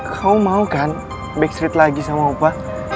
kamu mau kan backstreet lagi sama opa